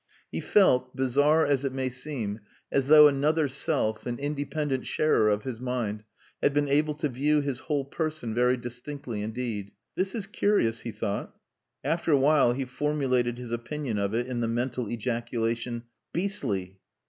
He felt, bizarre as it may seem, as though another self, an independent sharer of his mind, had been able to view his whole person very distinctly indeed. "This is curious," he thought. After a while he formulated his opinion of it in the mental ejaculation: "Beastly!"